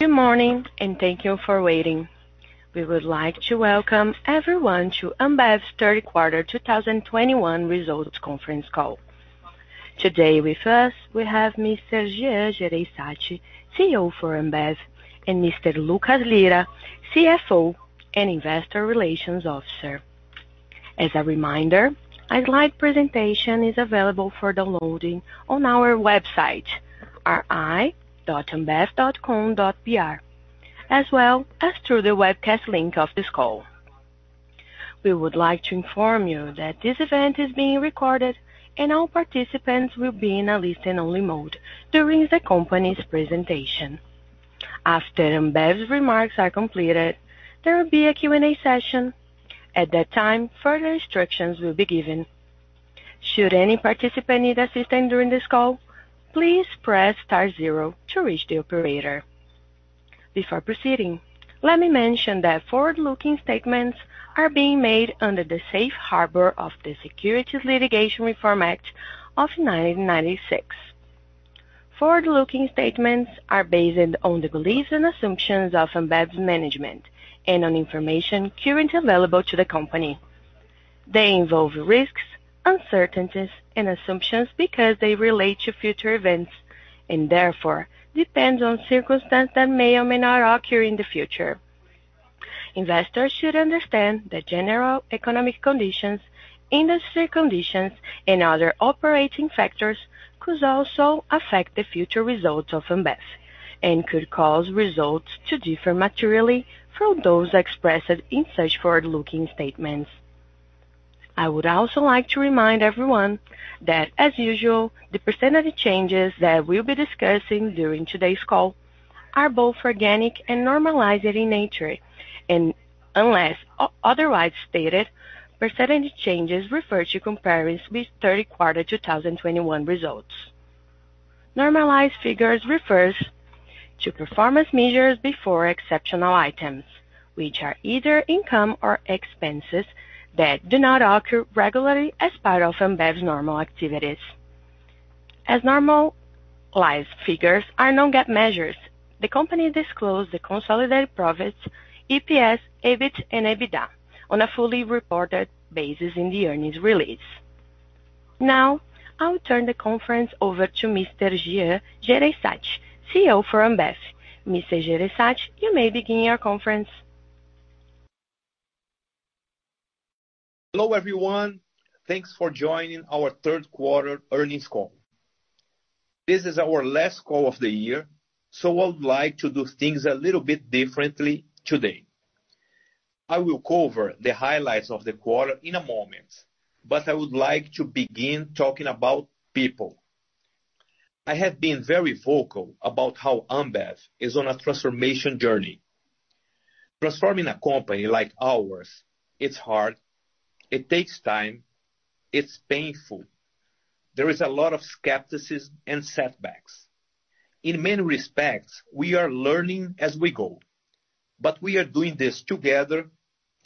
Good morning, and thank you for waiting. We would like to welcome everyone to Ambev's third quarter 2021 results conference call. Today with us we have Mr. Jean Jereissati, CEO for Ambev, and Mr. Lucas Lira, CFO and Investor Relations Officer. As a reminder, a slide presentation is available for downloading on our website, ri.ambev.com.br, as well as through the webcast link of this call. We would like to inform you that this event is being recorded and all participants will be in a listen only mode during the company's presentation. After Ambev's remarks are completed, there will be a Q&A session. At that time, further instructions will be given. Should any participant need assistance during this call, please press star zero to reach the operator. Before proceeding, let me mention that forward-looking statements are being made under the safe harbor of the Securities Litigation Reform Act of 1996. Forward-looking statements are based on the beliefs and assumptions of Ambev's management and on information currently available to the company. They involve risks, uncertainties and assumptions because they relate to future events and therefore depends on circumstances that may or may not occur in the future. Investors should understand the general economic conditions, industry conditions and other operating factors could also affect the future results of Ambev and could cause results to differ materially from those expressed in such forward-looking statements. I would also like to remind everyone that, as usual, the percentage changes that we'll be discussing during today's call are both organic and normalized in nature. Unless otherwise stated, percentage changes refer to comparisons with third quarter 2021 results. Normalized figures refer to performance measures before exceptional items, which are either income or expenses that do not occur regularly as part of Ambev's normal activities. As normalized figures are non-GAAP measures, the company disclosed the consolidated profits, EPS, EBIT and EBITDA on a fully reported basis in the earnings release. Now, I will turn the conference over to Mr. Jean Jereissati, CEO for Ambev. Mr. Jereissati, you may begin your conference. Hello, everyone. Thanks for joining our third quarter earnings call. This is our last call of the year, so I would like to do things a little bit differently today. I will cover the highlights of the quarter in a moment, but I would like to begin talking about people. I have been very vocal about how Ambev is on a transformation journey. Transforming a company like ours, it's hard. It takes time. It's painful. There is a lot of skepticism and setbacks. In many respects, we are learning as we go, but we are doing this together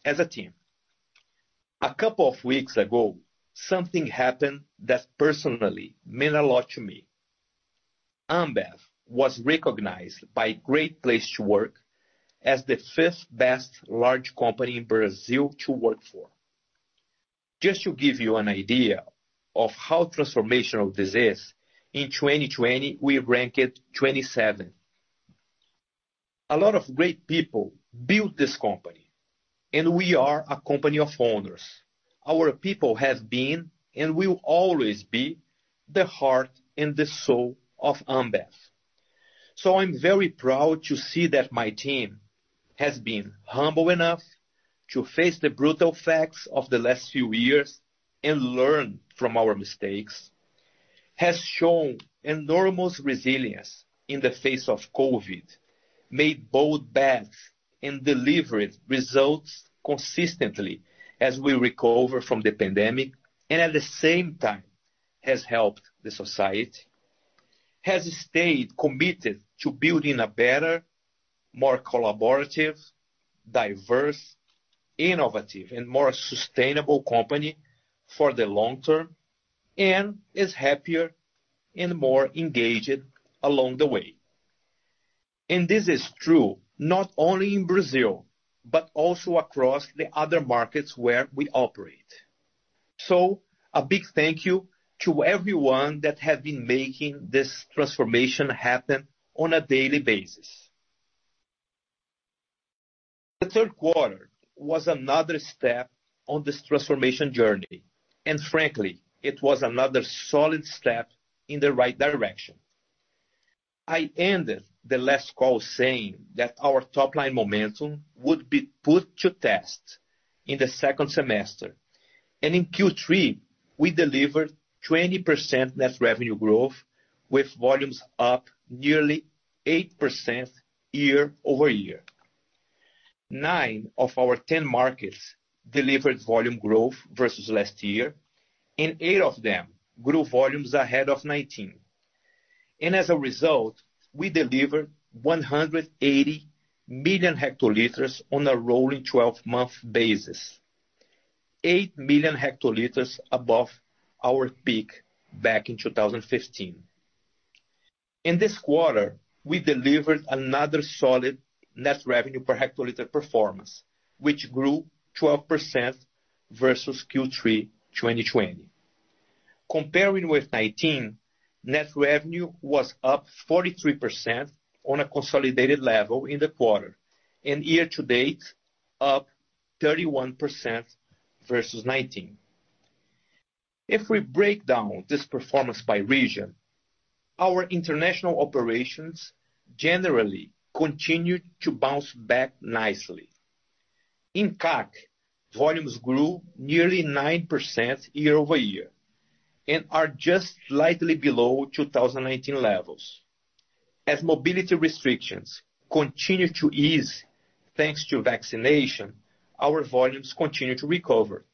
as a team. A couple of weeks ago, something happened that personally meant a lot to me. Ambev was recognized by Great Place to Work as the fifth best large company in Brazil to work for. Just to give you an idea of how transformational this is, in 2020 we ranked 27. A lot of great people built this company, and we are a company of owners. Our people have been and will always be the heart and the soul of Ambev. I'm very proud to see that my team has been humble enough to face the brutal facts of the last few years and learn from our mistakes, has shown enormous resilience in the face of COVID, made bold bets and delivered results consistently as we recover from the pandemic and at the same time has helped the society, has stayed committed to building a better, more collaborative, diverse, innovative and more sustainable company for the long term and is happier and more engaged along the way. This is true not only in Brazil, but also across the other markets where we operate. A big thank you to everyone that have been making this transformation happen on a daily basis. The third quarter was another step on this transformation journey, and frankly, it was another solid step in the right direction. I ended the last call saying that our top line momentum would be put to test in the second semester. In Q3, we delivered 20% net revenue growth with volumes up nearly 8% year over year. Nine of our ten markets delivered volume growth versus last year, and eight of them grew volumes ahead of 2019. As a result, we delivered 180 million hectoliters on a rolling 12-month basis. Eight million hectoliters above our peak back in 2015. In this quarter, we delivered another solid net revenue per hectoliter performance, which grew 12% versus Q3 2020. Comparing with 2019, net revenue was up 43% on a consolidated level in the quarter and year to date, up 31% versus 2019. If we break down this performance by region, our international operations generally continued to bounce back nicely. In CAC, volumes grew nearly 9% year over year and are just slightly below 2018 levels. As mobility restrictions continue to ease thanks to vaccination, our volumes continue to recover,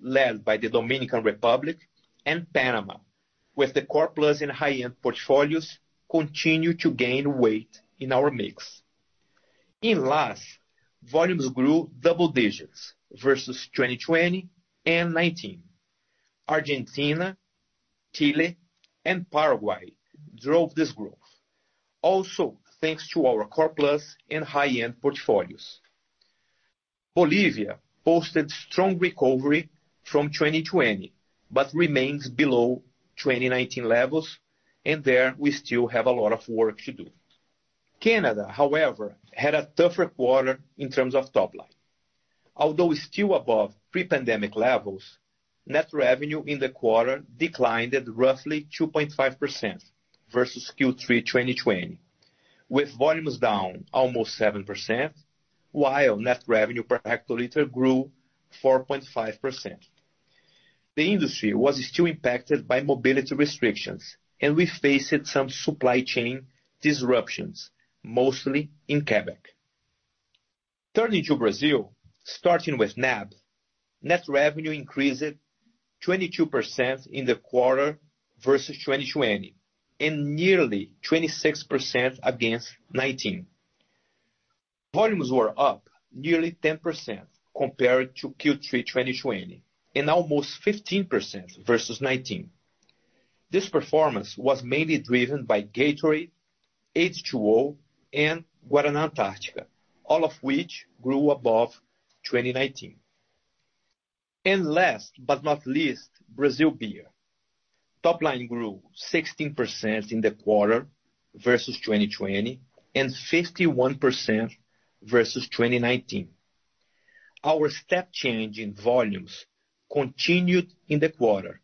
led by the Dominican Republic and Panama, with the core plus and high-end portfolios continue to gain weight in our mix. In LAS, volumes grew double digits versus 2020 and 2019. Argentina, Chile, and Paraguay drove this growth, also thanks to our core plus and high-end portfolios. Bolivia posted strong recovery from 2020, but remains below 2019 levels, and there we still have a lot of work to do. Canada, however, had a tougher quarter in terms of top line. Although still above pre-pandemic levels, net revenue in the quarter declined at roughly 2.5% versus Q3 2020, with volumes down almost 7%, while net revenue per hectoliter grew 4.5%. The industry was still impacted by mobility restrictions, and we faced some supply chain disruptions, mostly in Quebec. Turning to Brazil, starting with NAB, net revenue increased 22% in the quarter versus 2020 and nearly 26% against 2019. Volumes were up nearly 10% compared to Q3 2020 and almost 15% versus 2019. This performance was mainly driven by Gatorade, H2OH!, and Guaraná Antarctica, all of which grew above 2019. Last but not least, Brazil Beer. Top line grew 16% in the quarter versus 2020 and 51% versus 2019. Our step change in volumes continued in the quarter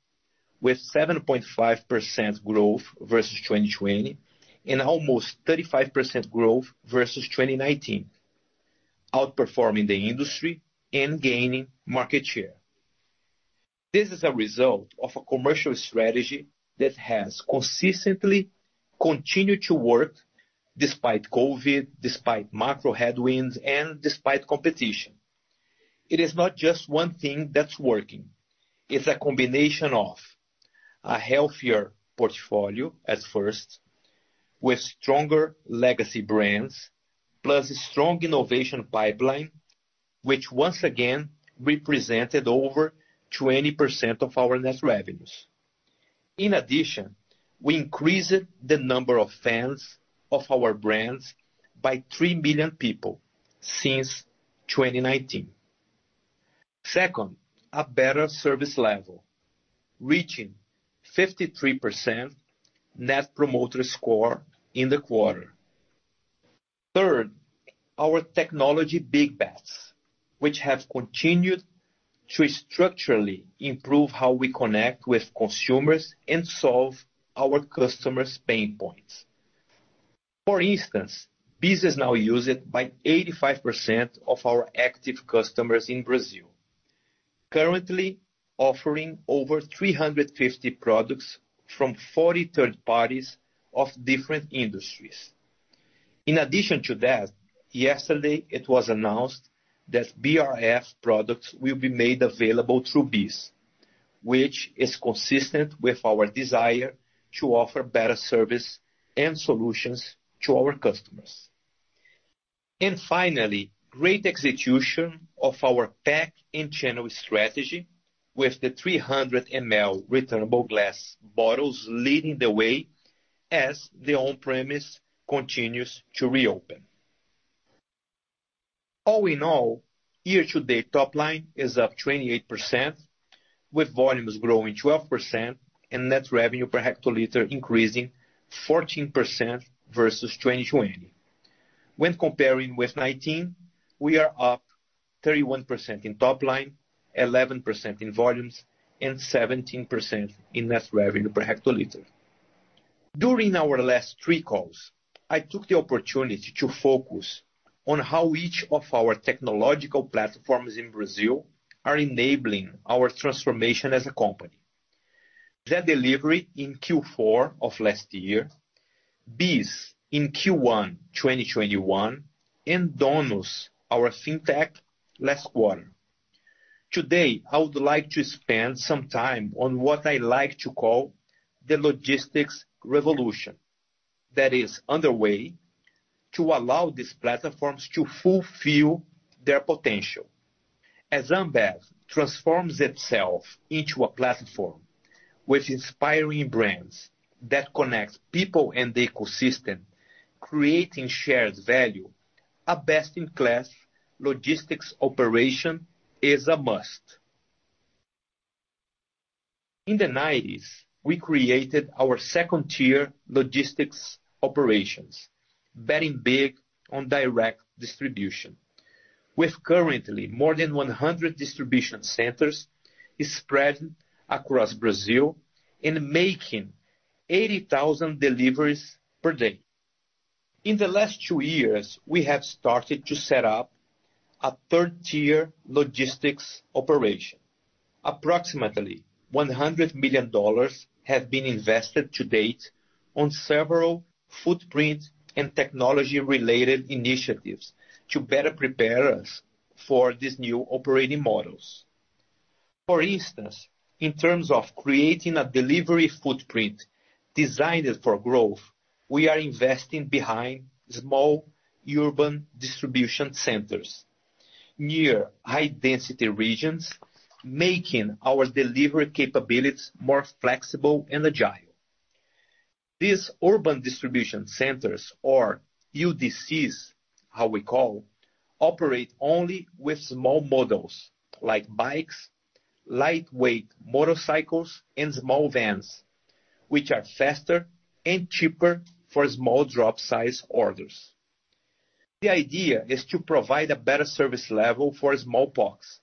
with 7.5% growth versus 2020 and almost 35% growth versus 2019, outperforming the industry and gaining market share. This is a result of a commercial strategy that has consistently continued to work despite COVID, despite macro headwinds, and despite competition. It is not just one thing that's working. It's a combination of a healthier portfolio at first with stronger legacy brands, plus a strong innovation pipeline, which once again represented over 20% of our net revenues. In addition, we increased the number of fans of our brands by 3 million people since 2019. Second, a better service level, reaching 53% net promoter score in the quarter. Third, our technology big bets, which have continued to structurally improve how we connect with consumers and solve our customers' pain points. For instance, BEES is now used by 85% of our active customers in Brazil, currently offering over 350 products from 40 third parties of different industries. In addition to that, yesterday it was announced that BRF products will be made available through BEES, which is consistent with our desire to offer better service and solutions to our customers. Finally, great execution of our pack and channel strategy with the 300 ml returnable glass bottles leading the way as the on-premise continues to reopen. All in all, year to date top line is up 28%, with volumes growing 12% and net revenue per hectoliter increasing 14% versus 2020. When comparing with 2019, we are up 31% in top line, 11% in volumes, and 17% in net revenue per hectoliter. During our last three calls, I took the opportunity to focus on how each of our technological platforms in Brazil are enabling our transformation as a company. That delivery in Q4 of last year, BEES in Q1 2021, and Donus, our Fintech, last quarter. Today, I would like to spend some time on what I like to call the logistics revolution that is underway to allow these platforms to fulfill their potential. As Ambev transforms itself into a platform with inspiring brands that connects people and the ecosystem, creating shared value, a best in class logistics operation is a must. In the 1990s, we created our second tier logistics operations, betting big on direct distribution. With currently more than 100 distribution centers spread across Brazil and making 80,000 deliveries per day. In the last two years, we have started to set up a third tier logistics operation. Approximately $100 million have been invested to date on several footprint- and technology-related initiatives to better prepare us for these new operating models. For instance, in terms of creating a delivery footprint designed for growth, we are investing behind small urban distribution centers near high-density regions, making our delivery capabilities more flexible and agile. These urban distribution centers or UDCs, as we call them, operate only with small models like bikes, lightweight motorcycles, and small vans, which are faster and cheaper for small drop-size orders. The idea is to provide a better service level for small box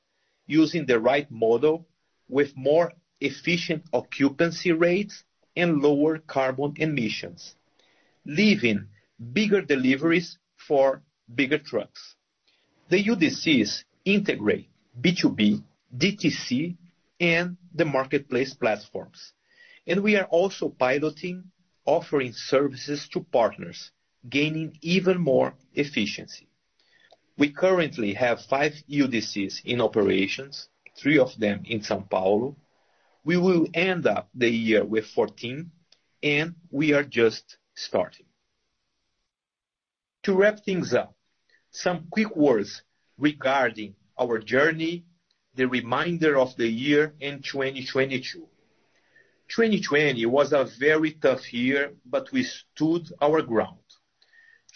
using the right model with more efficient occupancy rates and lower carbon emissions, leaving bigger deliveries for bigger trucks. The UDCs integrate B2B, DTC, and the marketplace platforms. We are also piloting offering services to partners, gaining even more efficiency. We currently have 5 UDCs in operations, 3 of them in São Paulo. We will end of the year with 14, and we are just starting. To wrap things up, some quick words regarding our journey, the remainder of the year in 2022. 2020 was a very tough year, but we stood our ground.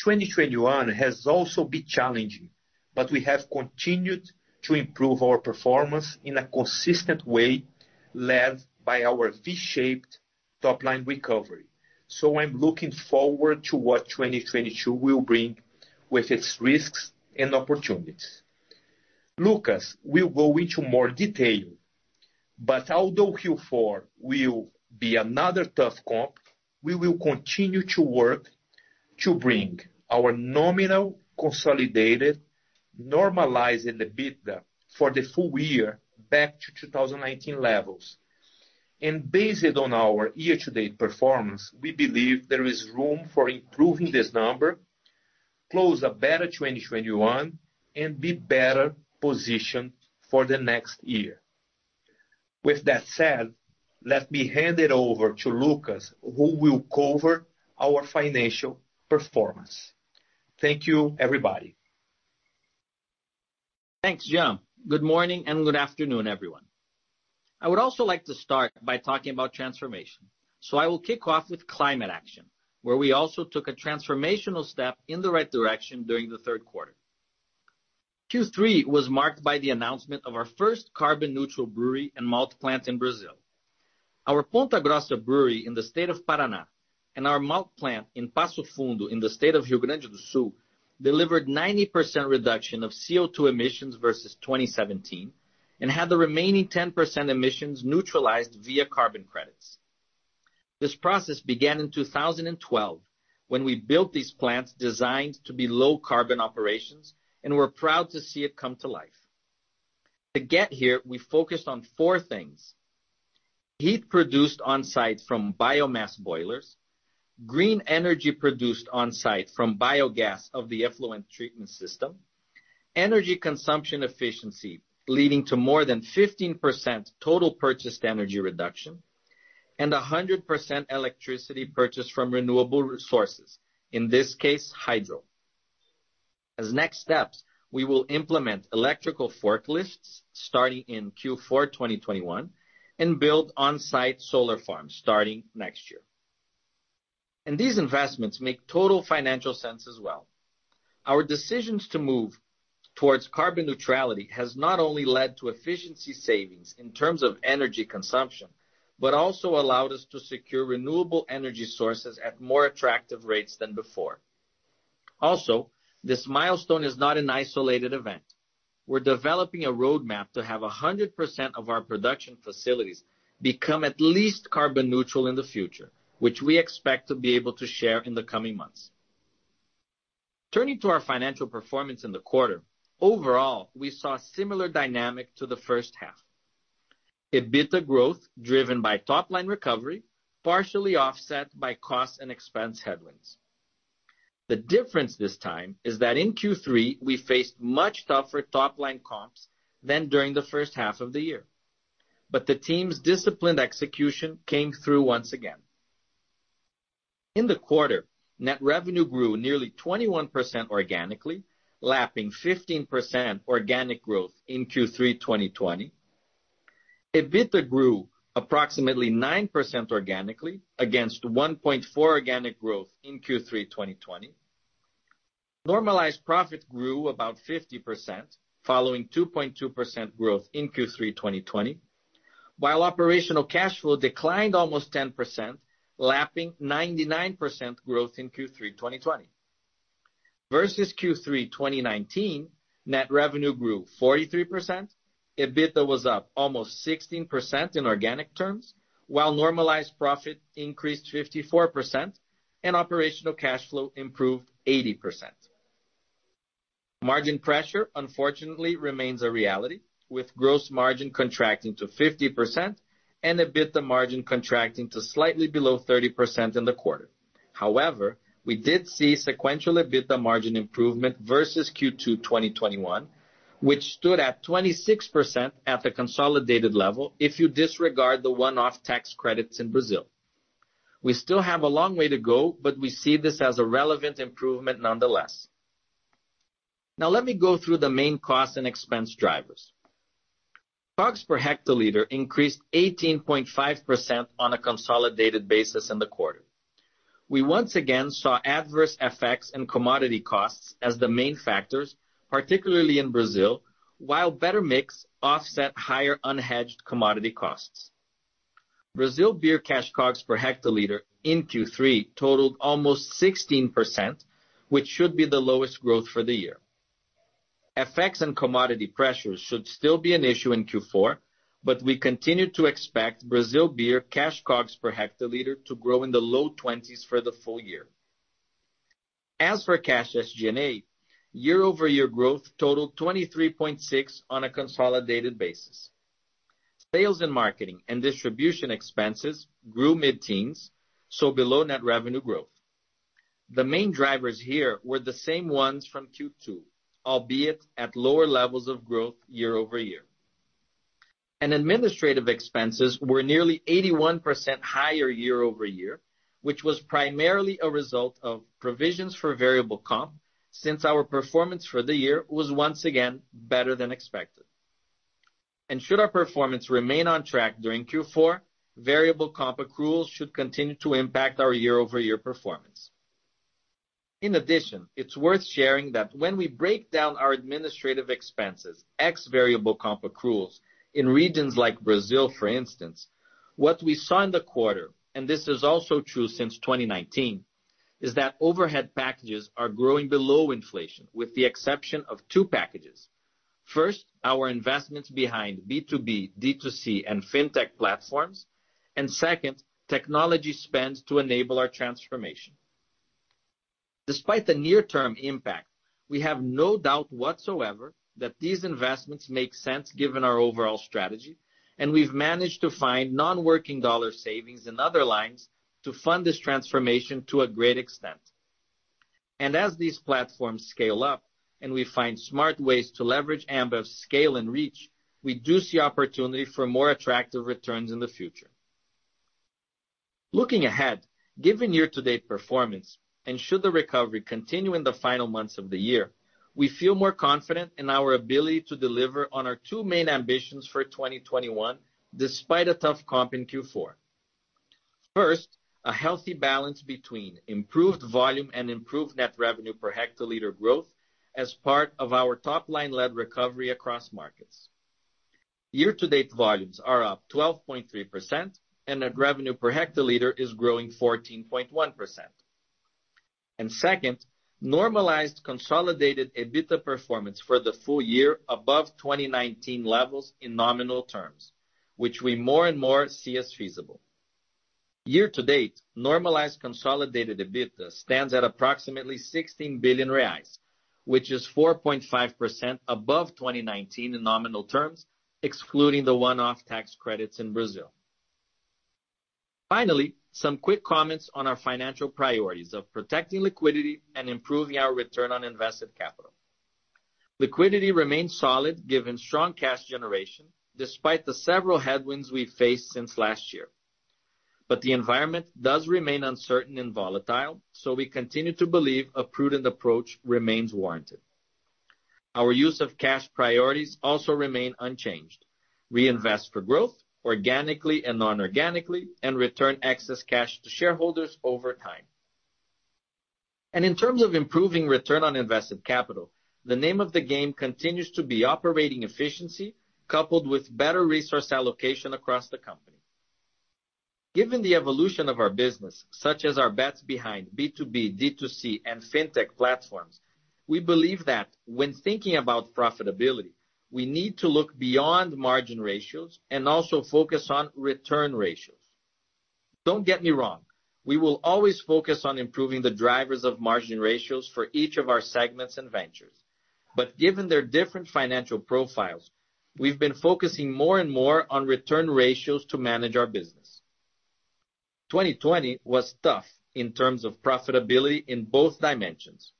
2021 has also been challenging, but we have continued to improve our performance in a consistent way led by our V-shaped top line recovery. I'm looking forward to what 2022 will bring with its risks and opportunities. Lucas will go into more detail, but although Q4 will be another tough comp, we will continue to work to bring our nominal consolidated normalized EBITDA for the full year back to 2019 levels. Based on our year-to-date performance, we believe there is room for improving this number, close out a better 2021, and be better positioned for the next year. With that said, let me hand it over to Lucas, who will cover our financial performance. Thank you, everybody. Thanks, Jean Jereissati. Good morning and good afternoon, everyone. I would also like to start by talking about transformation. I will kick off with climate action, where we also took a transformational step in the right direction during the third quarter. Q3 was marked by the announcement of our first carbon neutral brewery and malt plant in Brazil. Our Ponta Grossa brewery in the state of Paraná and our malt plant in Passo Fundo in the state of Rio Grande do Sul delivered 90% reduction of CO2 emissions versus 2017 and had the remaining 10% emissions neutralized via carbon credits. This process began in 2012, when we built these plants designed to be low carbon operations, and we're proud to see it come to life. To get here, we focused on four things. Heat produced on-site from biomass boilers, green energy produced on-site from biogas of the effluent treatment system, energy consumption efficiency, leading to more than 15% total purchased energy reduction, and 100% electricity purchased from renewable resources, in this case, hydro. As next steps, we will implement electrical forklifts starting in Q4 2021 and build on-site solar farms starting next year. These investments make total financial sense as well. Our decisions to move towards carbon neutrality has not only led to efficiency savings in terms of energy consumption, but also allowed us to secure renewable energy sources at more attractive rates than before. Also, this milestone is not an isolated event. We're developing a roadmap to have 100% of our production facilities become at least carbon neutral in the future, which we expect to be able to share in the coming months. Turning to our financial performance in the quarter. Overall, we saw similar dynamic to the first half. EBITDA growth driven by top line recovery, partially offset by cost and expense headwinds. The difference this time is that in Q3, we faced much tougher top line comps than during the first half of the year. The team's disciplined execution came through once again. In the quarter, net revenue grew nearly 21% organically, lapping 15% organic growth in Q3 2020. EBITDA grew approximately 9% organically against 1.4% organic growth in Q3 2020. Normalized profit grew about 50% following 2.2% growth in Q3 2020, while operational cash flow declined almost 10%, lapping 99% growth in Q3 2020. Versus Q3 2019, net revenue grew 43%. EBITDA was up almost 16% in organic terms, while normalized profit increased 54% and operational cash flow improved 80%. Margin pressure unfortunately remains a reality, with gross margin contracting to 50% and EBITDA margin contracting to slightly below 30% in the quarter. However, we did see sequential EBITDA margin improvement versus Q2 2021, which stood at 26% at the consolidated level if you disregard the one-off tax credits in Brazil. We still have a long way to go, but we see this as a relevant improvement nonetheless. Now let me go through the main cost and expense drivers. COGS per hectoliter increased 18.5% on a consolidated basis in the quarter. We once again saw adverse effects in commodity costs as the main factors, particularly in Brazil, while better mix offset higher unhedged commodity costs. Brazil beer cash COGS per hectoliter in Q3 totaled almost 16%, which should be the lowest growth for the year. Effects and commodity pressures should still be an issue in Q4, but we continue to expect Brazil beer cash COGS per hectoliter to grow in the low 20s% for the full year. As for cash SG&A, year-over-year growth totaled 23.6% on a consolidated basis. Sales and marketing and distribution expenses grew mid-teens%, so below net revenue growth. The main drivers here were the same ones from Q2, albeit at lower levels of growth year over year. Administrative expenses were nearly 81% higher year over year, which was primarily a result of provisions for variable comp since our performance for the year was once again better than expected. Should our performance remain on track during Q4, variable comp accrual should continue to impact our year-over-year performance. In addition, it's worth sharing that when we break down our administrative expenses, ex variable comp accruals in regions like Brazil, for instance, what we saw in the quarter, and this is also true since 2019, is that overhead packages are growing below inflation with the exception of two packages. First, our investments behind B2B, D2C, and Fintech platforms, and second, technology spends to enable our transformation. Despite the near-term impact, we have no doubt whatsoever that these investments make sense given our overall strategy, and we've managed to find non-working dollar savings in other lines to fund this transformation to a great extent. As these platforms scale up and we find smart ways to leverage Ambev's scale and reach, we do see opportunity for more attractive returns in the future. Looking ahead, given year-to-date performance, and should the recovery continue in the final months of the year, we feel more confident in our ability to deliver on our two main ambitions for 2021 despite a tough comp in Q4. First, a healthy balance between improved volume and improved net revenue per hectoliter growth as part of our top-line led recovery across markets. Year-to-date volumes are up 12.3%, and net revenue per hectoliter is growing 14.1%. Second, normalized consolidated EBITDA performance for the full year above 2019 levels in nominal terms, which we more and more see as feasible. Year to date, normalized consolidated EBITDA stands at approximately 16 billion reais, which is 4.5% above 2019 in nominal terms, excluding the one-off tax credits in Brazil. Finally, some quick comments on our financial priorities of protecting liquidity and improving our return on invested capital. Liquidity remains solid given strong cash generation, despite the several headwinds we've faced since last year. The environment does remain uncertain and volatile, so we continue to believe a prudent approach remains warranted. Our use of cash priorities also remain unchanged. We invest for growth organically and non-organically and return excess cash to shareholders over time. In terms of improving return on invested capital, the name of the game continues to be operating efficiency coupled with better resource allocation across the company. Given the evolution of our business, such as our bets behind B2B, D2C, and Fintech platforms, we believe that when thinking about profitability, we need to look beyond margin ratios and also focus on return ratios. Don't get me wrong, we will always focus on improving the drivers of margin ratios for each of our segments and ventures. Given their different financial profiles, we've been focusing more and more on return ratios to manage our business. 2020 was tough in terms of profitability in both dimensions.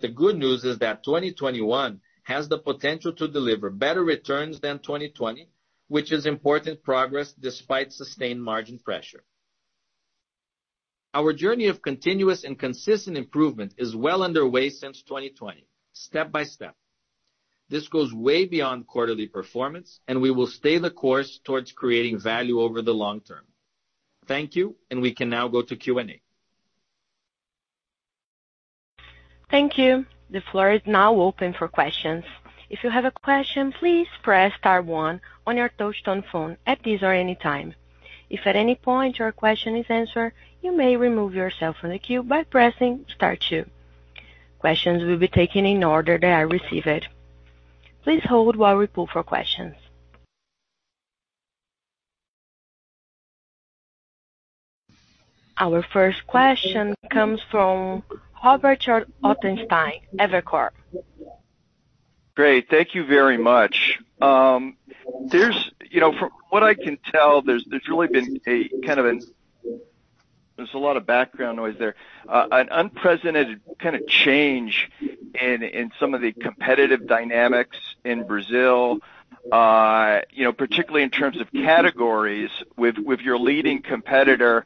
The good news is that 2021 has the potential to deliver better returns than 2020, which is important progress despite sustained margin pressure. Our journey of continuous and consistent improvement is well underway since 2020, step by step. This goes way beyond quarterly performance, and we will stay the course towards creating value over the long term. Thank you, and we can now go to Q&A. Thank you. The floor is now open for questions. If you have a question, please press star one on your touch tone phone at this or any time. If at any point your question is answered, you may remove yourself from the queue by pressing star two. Questions will be taken in order that I receive it. Please hold while we pull for questions. Our first question comes from Robert Ottenstein, Evercore ISI. Great. Thank you very much. You know, from what I can tell, there's really been a kind of an unprecedented kind of change in some of the competitive dynamics in Brazil, you know, particularly in terms of categories with your leading competitor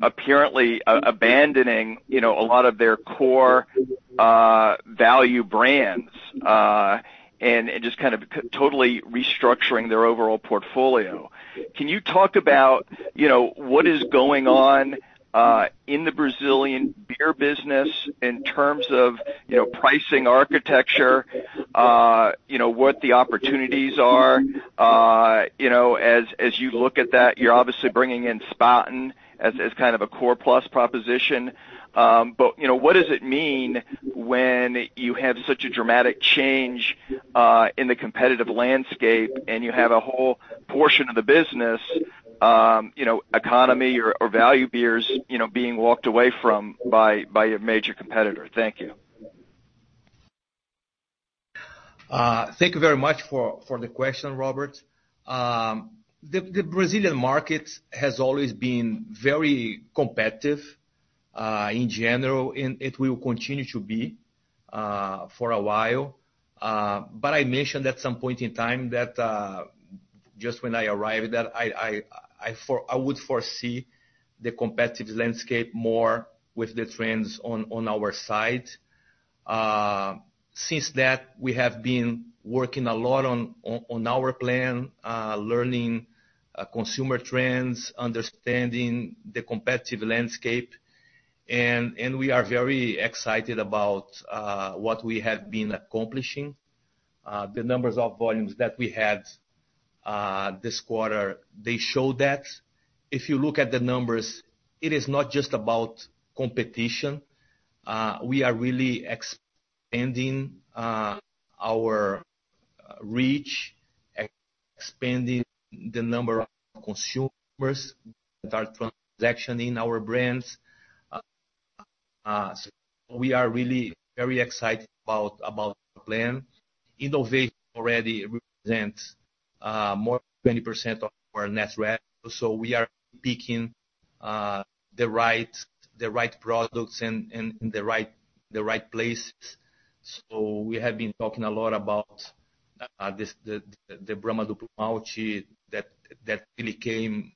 apparently abandoning a lot of their core value brands and just kind of totally restructuring their overall portfolio. Can you talk about what is going on in the Brazilian beer business in terms of pricing architecture, you know, what the opportunities are? You know, as you look at that, you're obviously bringing in Spaten as kind of a core plus proposition. You know, what does it mean when you have such a dramatic change in the competitive landscape and you have a whole portion of the business, you know, economy or value beers, you know, being walked away from by a major competitor? Thank you. Thank you very much for the question, Robert. The Brazilian market has always been very competitive in general, and it will continue to be for a while. I mentioned at some point in time that just when I arrived that I would foresee the competitive landscape more with the trends on our side. Since that, we have been working a lot on our plan, learning consumer trends, understanding the competitive landscape. We are very excited about what we have been accomplishing. The numbers of volumes that we had this quarter, they show that. If you look at the numbers, it is not just about competition. We are really expanding our reach, expanding the number of consumers that are transacting our brands. We are really very excited about the plan. Innovation already represents more than 20% of our net revenue. We are picking the right products in the right places. We have been talking a lot about the Brahma Duplo Malte that really came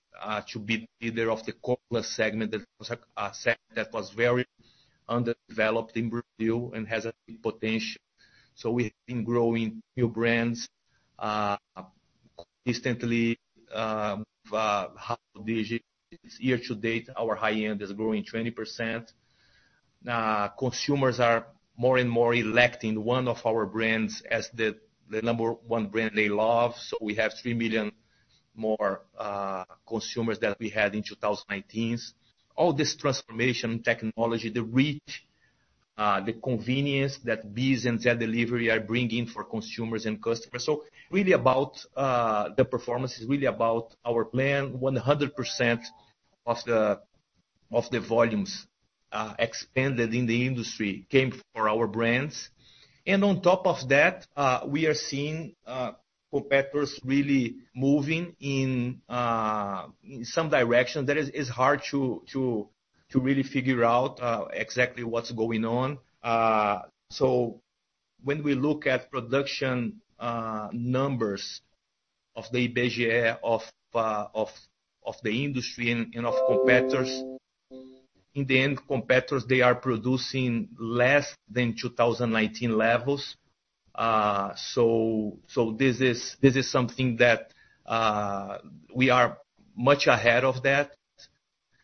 to be leader of the core plus segment. That was a segment that was very underdeveloped in Brazil and has a big potential. We have been growing new brands consistently high single digit. Year to date, our high-end is growing 20%. Consumers are more and more electing one of our brands as the number one brand they love. We have 3 million more consumers that we had in 2019. All this transformation technology, the reach, the convenience that BEES and their delivery are bringing for consumers and customers. Really about the performance is really about our plan. 100% of the volumes expanded in the industry came from our brands. On top of that, we are seeing competitors really moving in some direction that is hard to really figure out exactly what's going on. When we look at production numbers of the IBGE of the industry and of competitors, in the end, competitors they are producing less than 2019 levels. This is something that we are much ahead of that.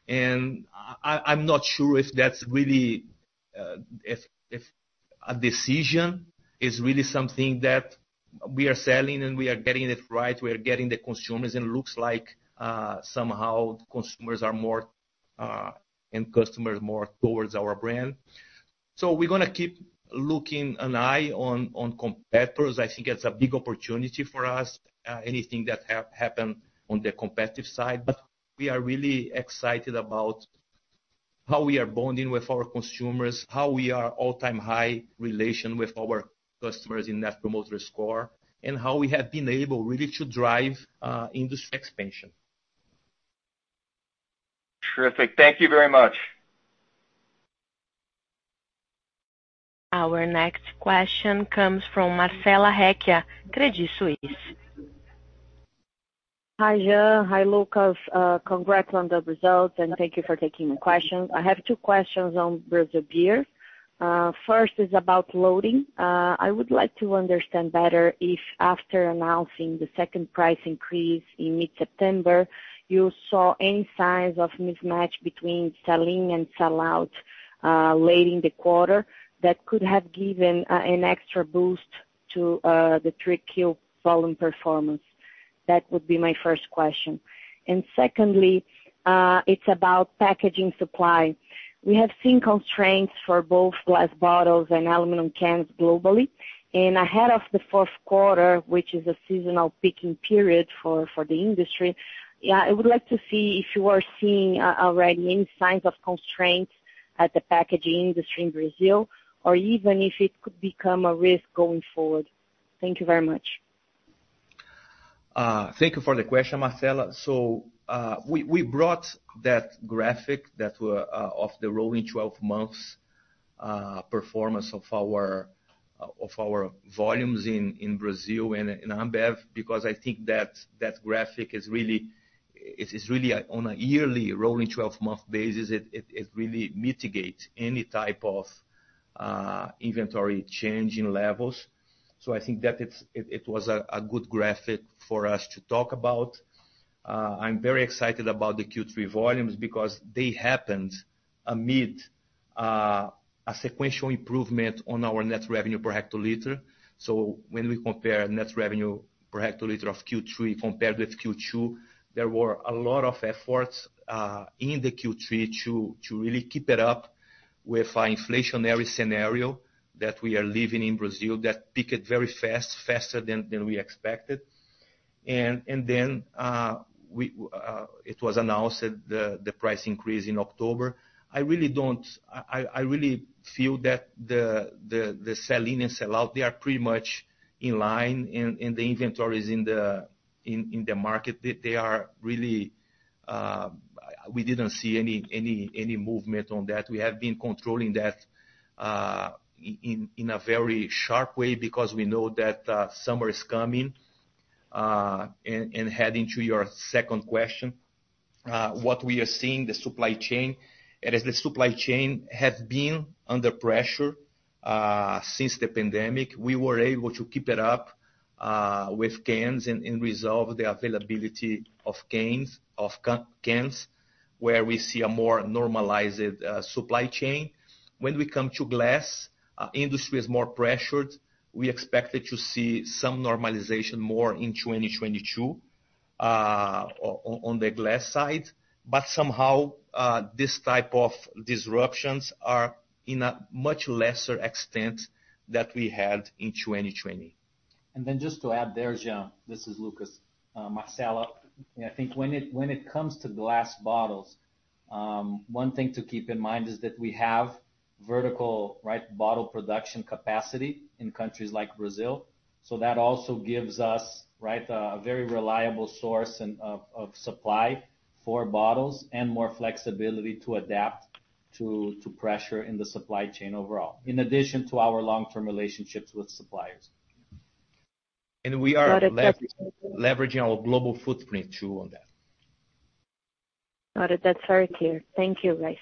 I'm not sure if that's really if a decision is really something that we are selling and we are getting it right, we are getting the consumers, and it looks like somehow consumers are more and customers more towards our brand. We're gonna keep keeping an eye on competitors. I think it's a big opportunity for us, anything that happened on the competitive side, but we are really excited about how we are bonding with our consumers, how we are all-time high relation with our customers in Net Promoter Score, and how we have been able really to drive industry expansion. Terrific. Thank you very much. Our next question comes from Marcella Recchia, Credit Suisse. Hi, Jean. Hi, Lucas. Congrats on the results, and thank you for taking the questions. I have two questions on Brazil beer. First is about loading. I would like to understand better if after announcing the second price increase in mid-September you saw any signs of mismatch between selling and sell out late in the quarter that could have given an extra boost to the 3Q volume performance. That would be my first question. Secondly, it's about packaging supply. We have seen constraints for both glass bottles and aluminum cans globally. Ahead of the fourth quarter, which is a seasonal peaking period for the industry, I would like to see if you are seeing already any signs of constraints at the packaging industry in Brazil or even if it could become a risk going forward. Thank you very much. Thank you for the question, Marcella. We brought that graphic of the rolling 12 months performance of our volumes in Brazil and in Ambev, because I think that graphic is really on a yearly rolling 12-month basis. It really mitigates any type of inventory change in levels. I think that it was a good graphic for us to talk about. I'm very excited about the Q3 volumes because they happened amid a sequential improvement on our net revenue per hectoliter. When we compare net revenue per hectoliter of Q3 compared with Q2, there were a lot of efforts in Q3 to really keep it up with our inflationary scenario that we are living in Brazil that peaked very fast, faster than we expected. It was announced that the price increase in October. I really feel that the sell in and sell out, they are pretty much in line in the inventories in the market. We didn't see any movement on that. We have been controlling that in a very sharp way because we know that summer is coming. Heading to your second question, what we are seeing in the supply chain. As the supply chain has been under pressure since the pandemic, we were able to keep it up with cans and resolve the availability of cans, of cans, where we see a more normalized supply chain. When we come to glass, industry is more pressured. We expected to see some normalization more in 2022 on the glass side. But somehow, this type of disruptions are in a much lesser extent that we had in 2020. Then just to add there, Jean, this is Lucas. Marcella, I think when it comes to glass bottles, one thing to keep in mind is that we have vertical, right, bottle production capacity in countries like Brazil. So that also gives us, right, a very reliable source and of supply for bottles and more flexibility to adapt to pressure in the supply chain overall, in addition to our long-term relationships with suppliers. We are. Got it. leveraging our global footprint too on that. Got it. That's very clear. Thank you, guys.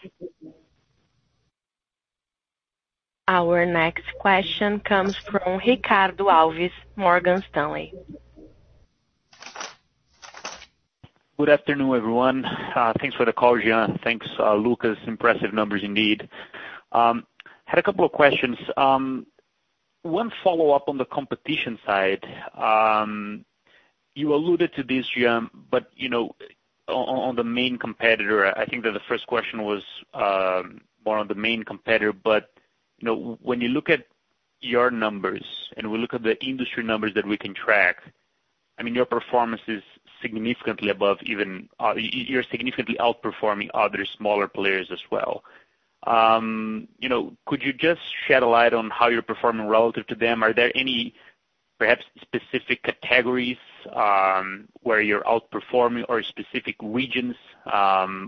Our next question comes from Ricardo Alves, Morgan Stanley. Good afternoon, everyone. Thanks for the call, Jean. Thanks, Lucas. Impressive numbers indeed. Had a couple of questions. One follow-up on the competition side. You alluded to this, Jean, but you know, on the main competitor, I think that the first question was more on the main competitor. You know, when you look at your numbers and we look at the industry numbers that we can track, I mean, your performance is significantly above even. You're significantly outperforming other smaller players as well. You know, could you just shed a light on how you're performing relative to them? Are there any perhaps specific categories where you're outperforming or specific regions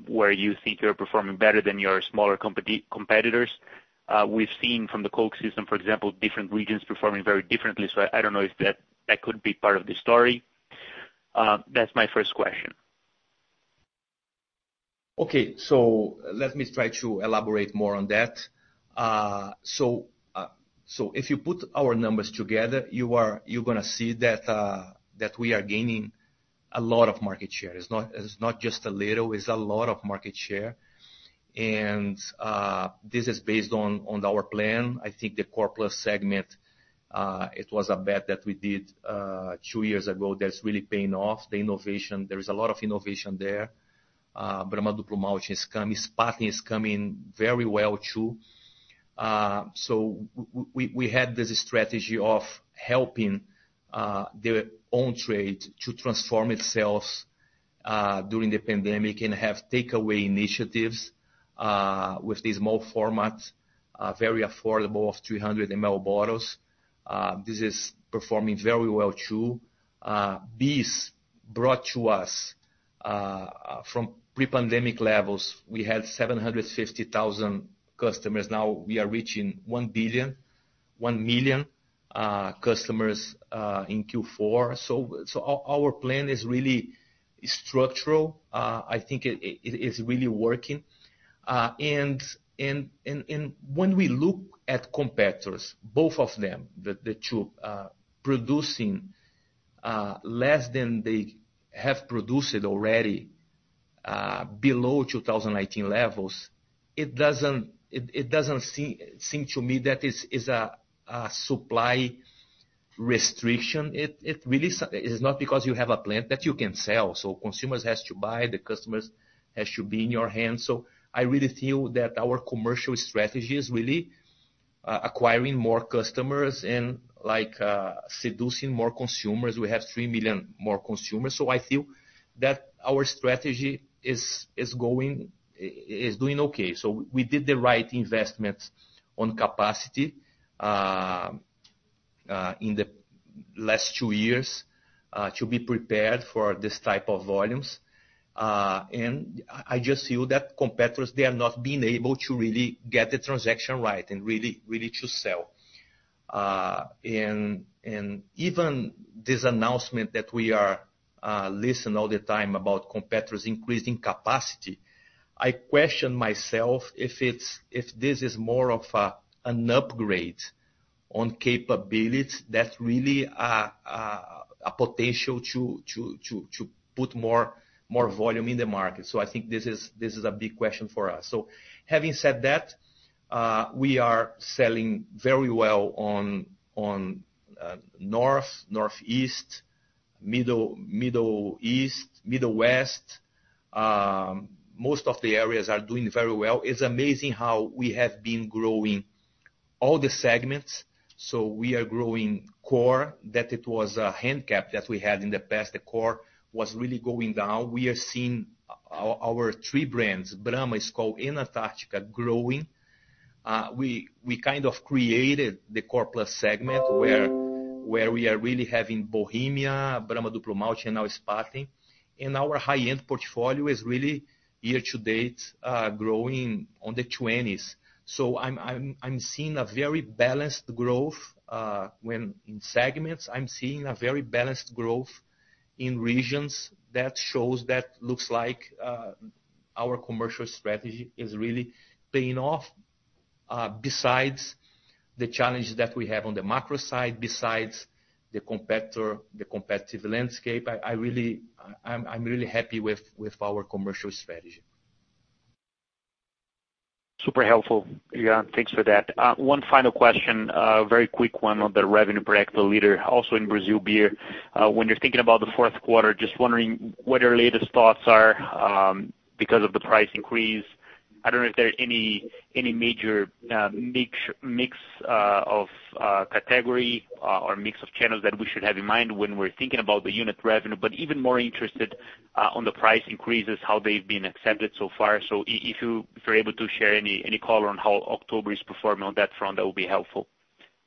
where you think you're performing better than your smaller competitors? We've seen from the Coke system, for example, different regions performing very differently, so I don't know if that could be part of the story. That's my first question. Okay. Let me try to elaborate more on that. If you put our numbers together, you're gonna see that we are gaining a lot of market share. It's not just a little, it's a lot of market share. This is based on our plan. I think the core plus segment it was a bet that we did two years ago that's really paying off. The innovation, there is a lot of innovation there. Brahma Duplo Malte is coming. Spaten is coming very well, too. We had this strategy of helping the on-trade to transform itself during the pandemic and have takeaway initiatives with the small format very affordable of 300 ml bottles. This is performing very well too. This brought us from pre-pandemic levels. We had 750,000 customers. Now we are reaching 1 million customers in Q4. Our plan is really structural. I think it is really working. When we look at competitors, both of them, the two producing less than they have produced already, below 2018 levels, it doesn't seem to me that is a supply restriction. It really is not because you have a plant that you can sell. Consumers has to buy, the customers has to be in your hands. I really feel that our commercial strategy is really acquiring more customers and like seducing more consumers. We have 3 million more consumers. I feel that our strategy is doing okay. We did the right investments on capacity in the last two years to be prepared for this type of volumes. I just feel that competitors they are not being able to really get the traction right and really to sell. Even this announcement that we are listening all the time about competitors increasing capacity, I question myself if this is more of an upgrade on capabilities that's really a potential to put more volume in the market. I think this is a big question for us. Having said that, we are selling very well in North, Northeast, Midwest. Most of the areas are doing very well. It's amazing how we have been growing all the segments. We are growing core, that it was a handicap that we had in the past. The core was really going down. We are seeing our three brands, Brahma, Skol and Antarctica growing. We kind of created the core plus segment where we are really having Bohemia, Brahma Duplo Malte and now Spaten. Our high-end portfolio is really year-to-date growing in the 20s. I'm seeing a very balanced growth in segments. I'm seeing a very balanced growth in regions that shows that looks like our commercial strategy is really paying off. Besides the challenges that we have on the macro side, besides the competitor, the competitive landscape, I really. I'm really happy with our commercial strategy. Super helpful, yeah. Thanks for that. One final question, a very quick one on the revenue per hectoliter, also in Brazil beer. When you're thinking about the fourth quarter, just wondering what your latest thoughts are, because of the price increase. I don't know if there are any major mix of category or mix of channels that we should have in mind when we're thinking about the unit revenue. But even more interested on the price increases, how they've been accepted so far. If you're able to share any color on how October is performing on that front, that will be helpful.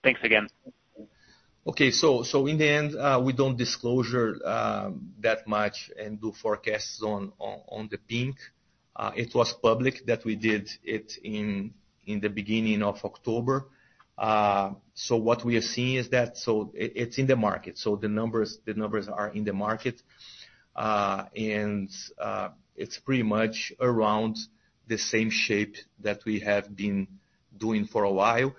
Thanks again. Okay. In the end, we don't disclose that much and do forecasts on the pipeline. It was public that we did it in the beginning of October. What we are seeing is that it's in the market. The numbers are in the market. It's pretty much around the same shape that we have been doing for a while.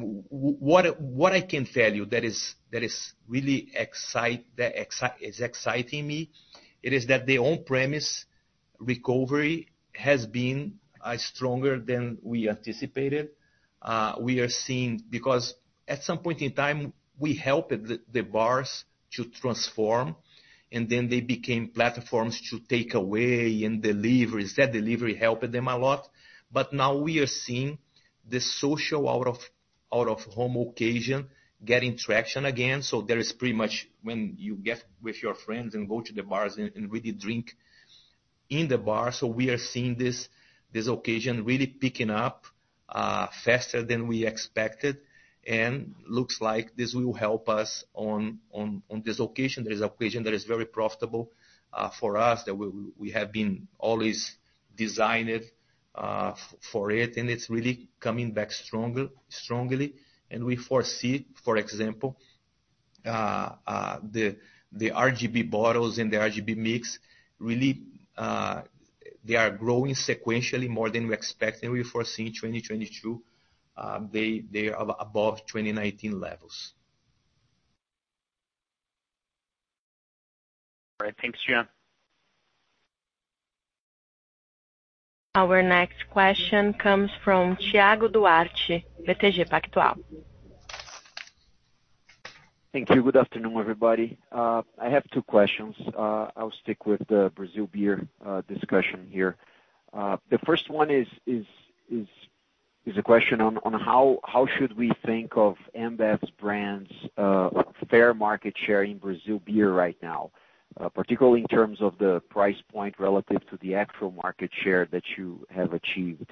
What I can tell you that is really exciting me is that the on-premise recovery has been stronger than we anticipated. We are seeing, because at some point in time, we helped the bars to transform, and then they became platforms to take away and deliver. That delivery helped them a lot. Now we are seeing the social out of home occasion getting traction again. That's pretty much when you get with your friends and go to the bars and really drink in the bar. We are seeing this occasion really picking up faster than we expected. Looks like this will help us on this occasion. This is occasion that is very profitable for us, that we have been always designed for it, and it's really coming back stronger, strongly. We foresee, for example, the RGB bottles and the RGB mix really they are growing sequentially more than we expected. We're foreseeing 2022 they are above 2019 levels. All right. Thanks, Jean Jereissati. Our next question comes from Thiago Duarte, BTG Pactual. Thank you. Good afternoon, everybody. I have two questions. I'll stick with the Brazil beer discussion here. The first one is a question on how should we think of Ambev's brands fair market share in Brazil beer right now, particularly in terms of the price point relative to the actual market share that you have achieved?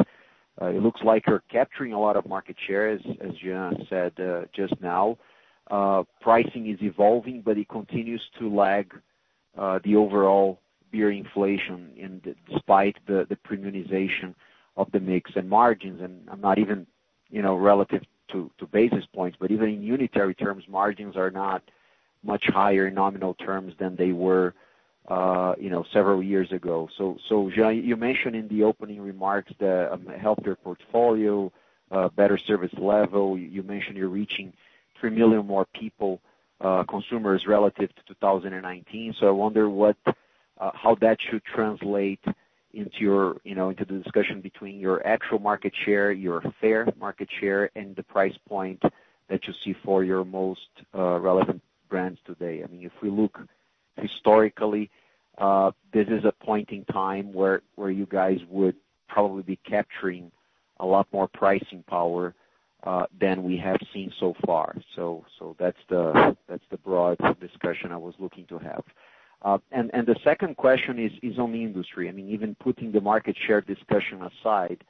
It looks like you're capturing a lot of market share, as Jean said just now. Pricing is evolving, but it continues to lag the overall beer inflation despite the premiumization of the mix and margins, and I'm not even, you know, relative to basis points, but even in unitary terms, margins are not much higher in nominal terms than they were, you know, several years ago. Jean Jereissati, you mentioned in the opening remarks the healthier portfolio, better service level. You mentioned you're reaching 3 million more people, consumers, relative to 2019. I wonder what how that should translate into your, you know, into the discussion between your actual market share, your fair market share, and the price point that you see for your most relevant brands today. I mean, if we look historically, this is a point in time where you guys would probably be capturing a lot more pricing power than we have seen so far. That's the broad discussion I was looking to have. And the second question is on the industry. I mean, even putting the market share discussion aside,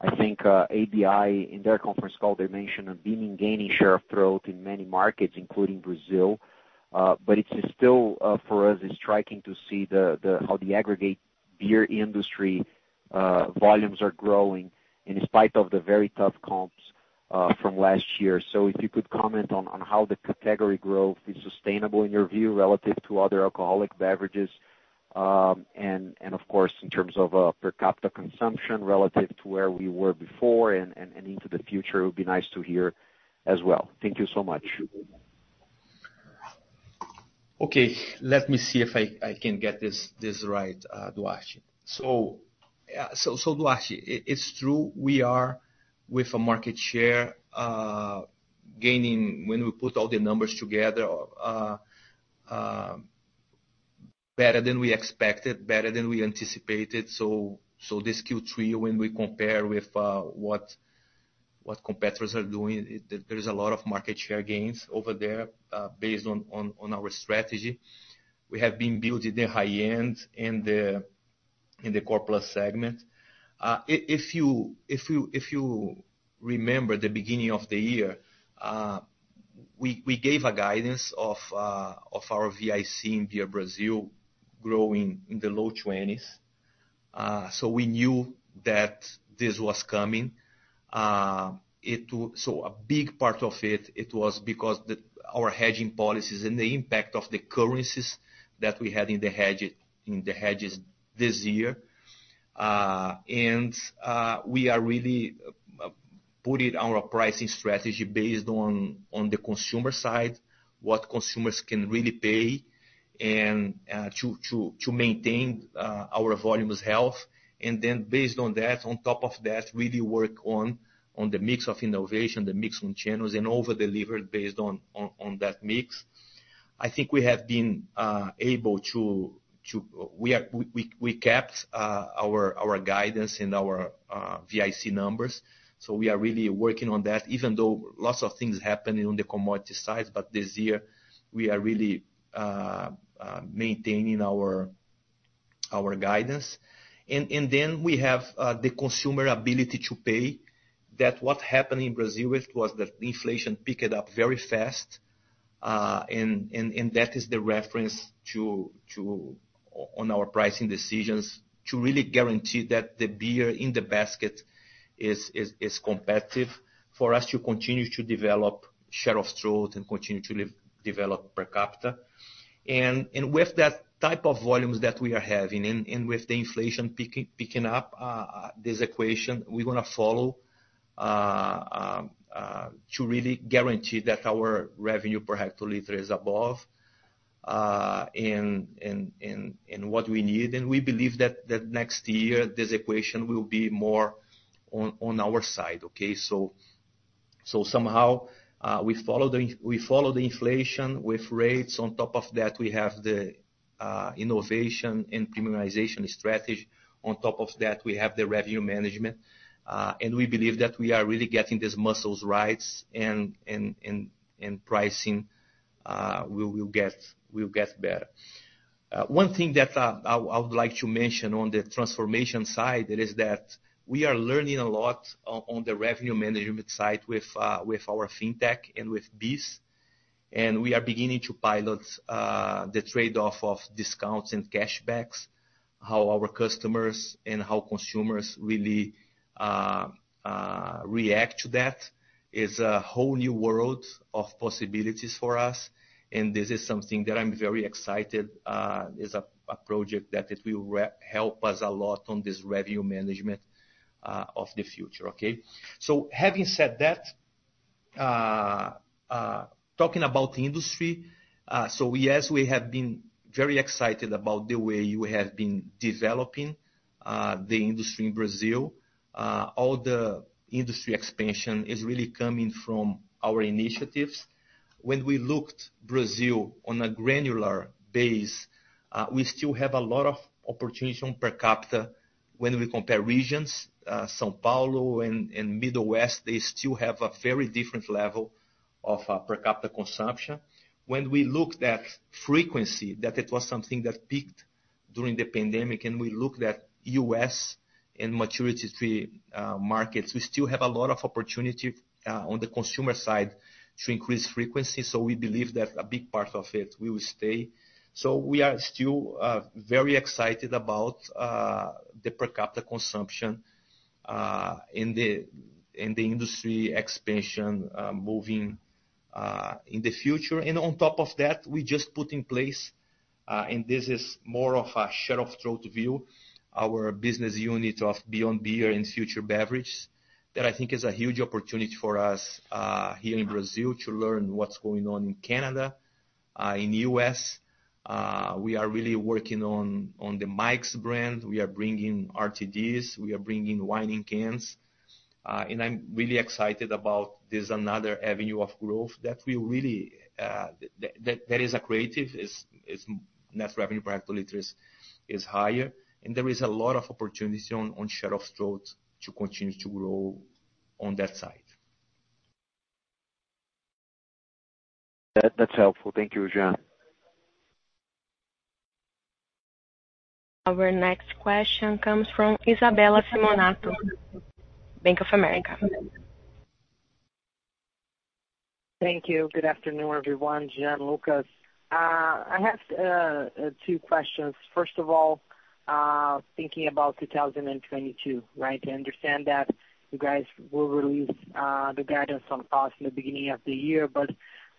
I think, ABI, in their conference call, they mentioned gaining share of throat in many markets, including Brazil. It's still for us, it's striking to see how the aggregate beer industry volumes are growing in spite of the very tough comps from last year. If you could comment on how the category growth is sustainable in your view relative to other alcoholic beverages. Of course, in terms of per capita consumption relative to where we were before and into the future, it would be nice to hear as well. Thank you so much. Okay. Let me see if I can get this right, Duarte. Duarte, it's true, we are with a market share gaining when we put all the numbers together, better than we expected, better than we anticipated. This Q3, when we compare with what competitors are doing, there is a lot of market share gains over there, based on our strategy. We have been building the high-end and in the core plus segment. If you remember the beginning of the year, we gave a guidance of our COGS in Beer Brazil growing in the low 20s%. We knew that this was coming. A big part of it was because the... Our hedging policies and the impact of the currencies that we had in the hedge, in the hedges this year. We are really putting our pricing strategy based on the consumer side, what consumers can really pay, and to maintain our volumes health. Based on that, on top of that, really work on the mix of innovation, the mix on channels, and over-deliver based on that mix. I think we have been able to. We kept our guidance and our COGS numbers, so we are really working on that, even though lots of things happening on the commodity side, but this year, we are really maintaining our guidance. We have the consumer ability to pay. That's what happened in Brazil. It was the inflation picked up very fast, and that is the reference to our pricing decisions to really guarantee that the beer in the basket is competitive for us to continue to develop share of throat and continue to develop per capita. With that type of volumes that we are having and with the inflation picking up, this equation we're gonna follow to really guarantee that our revenue per hectoliter is above what we need. We believe that next year, this equation will be more on our side, okay? Somehow, we follow the inflation with rates. On top of that, we have the innovation and premiumization strategy. On top of that, we have the revenue management. We believe that we are really getting these muscles right and pricing, we will get better. One thing that I would like to mention on the transformation side is that we are learning a lot on the revenue management side with our Fintech and with BEES. We are beginning to pilot the trade-off of discounts and cashbacks, how our customers and how consumers really react to that. It's a whole new world of possibilities for us, and this is something that I'm very excited. It's a project that will help us a lot on this revenue management of the future, okay. Having said that, talking about the industry, yes, we have been very excited about the way you have been developing the industry in Brazil. All the industry expansion is really coming from our initiatives. When we looked at Brazil on a granular base, we still have a lot of opportunity on per capita when we compare regions, São Paulo and Middle West, they still have a very different level of per capita consumption. When we looked at frequency, that it was something that peaked during the pandemic, and we looked at U.S. and mature markets, we still have a lot of opportunity on the consumer side to increase frequency. We believe that a big part of it will stay. We are still very excited about the per capita consumption in the industry expansion moving in the future. On top of that, we just put in place, and this is more of a share of throat view, our business unit of Beyond Beer and Future Beverage. That, I think, is a huge opportunity for us here in Brazil to learn what's going on in Canada in the U.S. We are really working on the Mike's brand. We are bringing RTDs, we are bringing wine in cans. I'm really excited about this another avenue of growth that is accretive, net revenue per hectoliters is higher. There is a lot of opportunity on share of throat to continue to grow on that side. That's helpful. Thank you, Jean Jereissati. Our next question comes from Isabella Simonato, Bank of America. Thank you. Good afternoon, everyone, Jean, Lucas. I have two questions. First of all, thinking about 2022, right? I understand that you guys will release the guidance on costs in the beginning of the year, but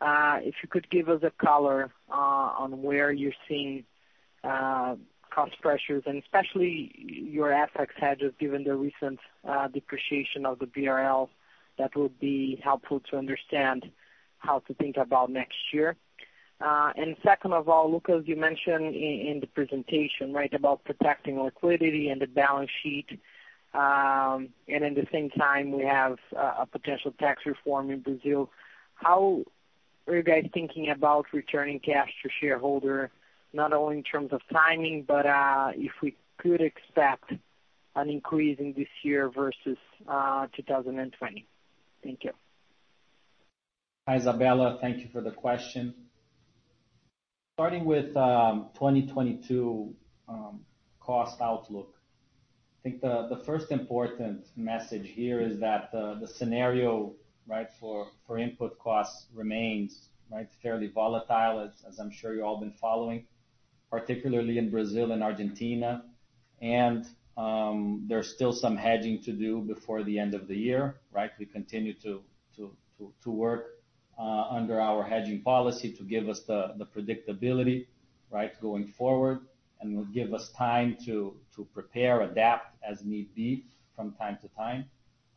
if you could give us a color on where you're seeing cost pressures and especially your FX hedges given the recent depreciation of the BRL, that would be helpful to understand how to think about next year. And second of all, Lucas, you mentioned in the presentation, right? About protecting liquidity and the balance sheet. And at the same time we have a potential tax reform in Brazil. How are you guys thinking about returning cash to shareholder? Not only in terms of timing, but if we could expect an increase in this year versus 2020. Thank you. Hi, Isabella. Thank you for the question. Starting with 2022 cost outlook. I think the first important message here is that the scenario, right, for input costs remains, right, fairly volatile, as I'm sure you've all been following, particularly in Brazil and Argentina. There's still some hedging to do before the end of the year, right? We continue to work under our hedging policy to give us the predictability, right, going forward, and will give us time to prepare, adapt as need be from time to time.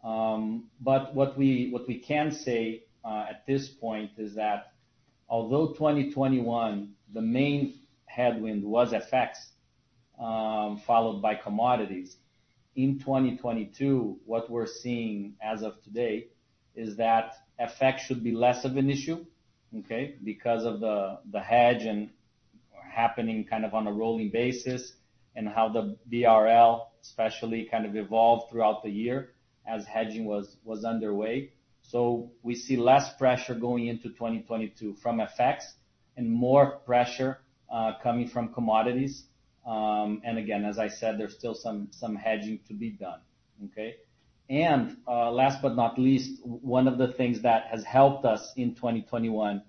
But what we can say at this point is that although 2021, the main headwind was FX, followed by commodities. In 2022, what we're seeing as of today is that FX should be less of an issue, okay? Because of the hedge happening kind of on a rolling basis, and how the BRL especially kind of evolved throughout the year as hedging was underway. We see less pressure going into 2022 from FX and more pressure coming from commodities. Again, as I said, there's still some hedging to be done. Okay. Last but not least, one of the things that has helped us in 2021,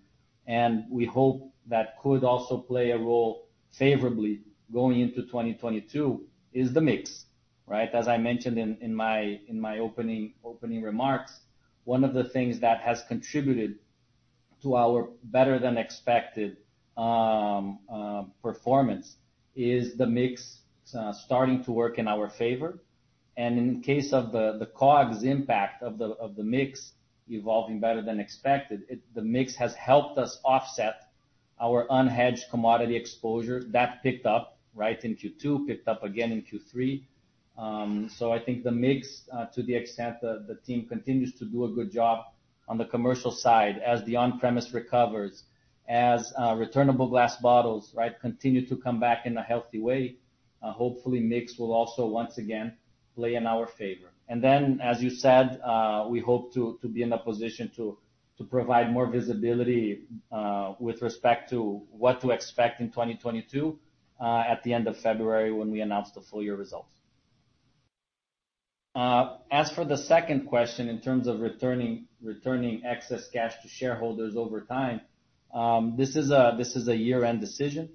and we hope that could also play a role favorably going into 2022 is the mix, right. As I mentioned in my opening remarks, one of the things that has contributed to our better than expected performance is the mix starting to work in our favor. In case of the COGS impact of the mix evolving better than expected, the mix has helped us offset our unhedged commodity exposure that picked up, right, in Q2, picked up again in Q3. I think the mix, to the extent the team continues to do a good job on the commercial side as the on-premise recovers, returnable glass bottles, right, continue to come back in a healthy way, hopefully, mix will also once again play in our favor. As you said, we hope to be in a position to provide more visibility with respect to what to expect in 2022, at the end of February when we announce the full year results. As for the second question in terms of returning excess cash to shareholders over time, this is a year-end decision.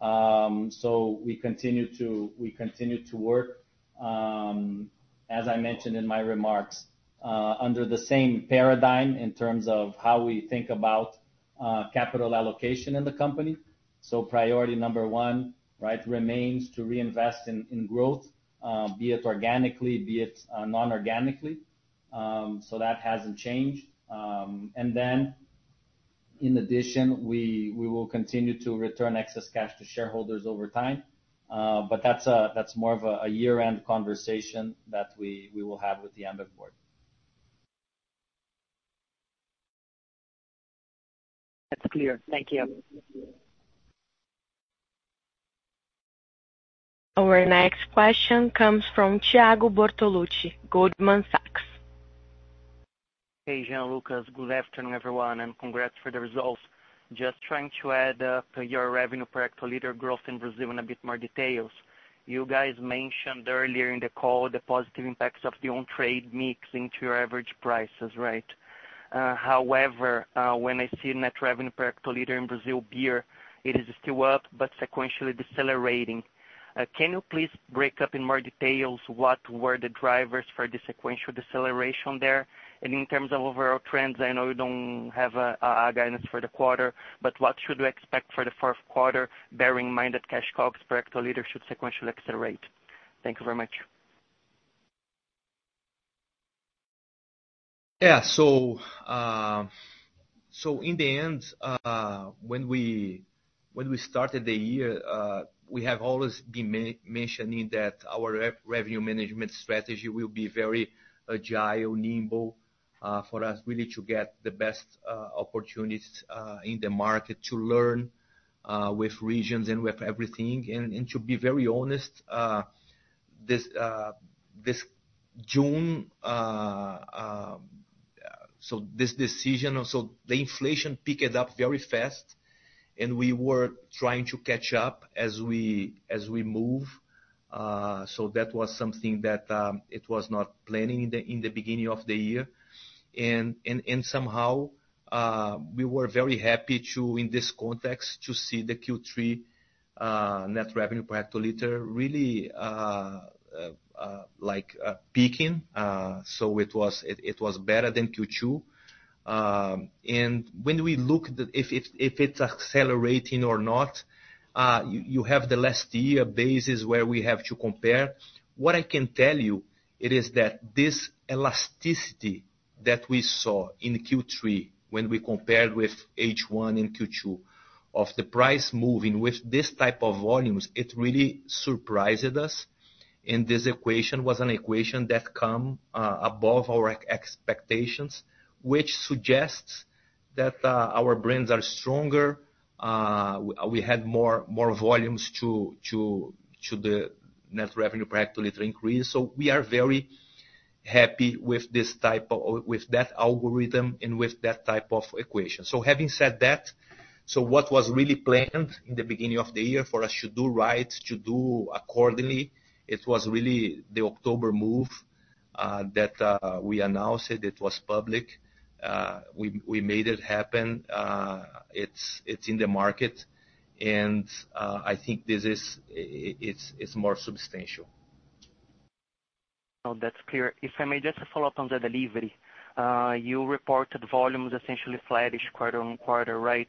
We continue to work, as I mentioned in my remarks, under the same paradigm in terms of how we think about capital allocation in the company. Priority number one, right, remains to reinvest in growth, be it organically, be it non-organically. In addition, we will continue to return excess cash to shareholders over time. That's more of a year-end conversation that we will have with the Ambev board. That's clear. Thank you. Our next question comes from Thiago Bortoluci, Goldman Sachs. Hey, Jean, Lucas. Good afternoon, everyone, and congrats for the results. Just trying to add up your revenue per hectoliter growth in Brazil in a bit more detail. You guys mentioned earlier in the call the positive impacts of the on-trade mix into your average prices, right? However, when I see net revenue per hectoliter in Brazil Beer, it is still up but sequentially decelerating. Can you please break down in more detail what were the drivers for the sequential deceleration there? In terms of overall trends, I know you don't have a guidance for the quarter, but what should we expect for the fourth quarter bearing in mind that cash costs per hectoliter should sequentially accelerate? Thank you very much. In the end, when we started the year, we have always been mentioning that our revenue management strategy will be very agile, nimble, for us really to get the best opportunities in the market to learn with regions and with everything. To be very honest, this June, the inflation picked up very fast and we were trying to catch up as we move. That was something that it was not planned in the beginning of the year. Somehow, we were very happy to, in this context, to see the Q3 net revenue per hectoliter really like peaking. It was better than Q2. When we look at if it's accelerating or not, you have the last year basis where we have to compare. What I can tell you is that this elasticity that we saw in Q3 when we compared with H1 and Q2 of the price moving with this type of volumes, it really surprises us. This equation was an equation that came above our expectations, which suggests that our brands are stronger. We had more volumes to the net revenue per hectoliter increase. We are very happy with that algorithm and with that type of equation. Having said that, what was really planned in the beginning of the year for us to do right, to do accordingly, it was really the October move that we announced. It was public. We made it happen. It's in the market, and I think this is. It's more substantial. No, that's clear. If I may just follow up on the delivery. You reported volumes essentially flattish quarter-on-quarter, right?